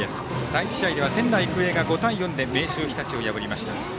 第１試合では仙台育英が５対４で明秀日立を破りました。